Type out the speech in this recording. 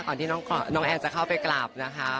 ที่น้องแอนจะเข้าไปกลับนะคะ